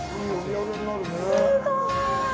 すごーい！